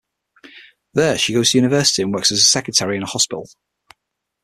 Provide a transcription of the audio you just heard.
There, she goes to university and works as a secretary in a hospital.